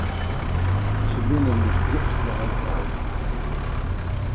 Sy binne yn it djipste geheim troud.